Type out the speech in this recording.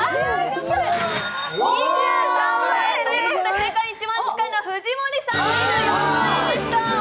正解、一番近いのは藤森さんの２４万円でした。